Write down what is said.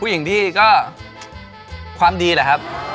ผู้หญิงพี่ก็ความดีแหละครับ